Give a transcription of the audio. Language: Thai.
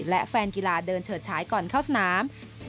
และแฟนกีฬาเดินเฉิดฉายก่อนเข้าสนาม